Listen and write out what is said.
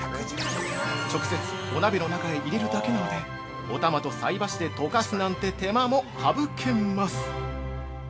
直接お鍋の中へ入れるだけなのでお玉と菜箸で溶かすなんて手間も省けます！